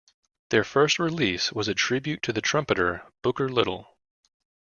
Their first release was a tribute to the trumpeter Booker Little.